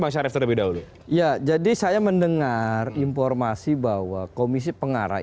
bang syarif terlebih dahulu ya jadi saya mendengar informasi bahwa komisi pengarah